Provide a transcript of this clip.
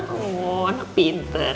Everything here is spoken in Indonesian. aduh anak pinter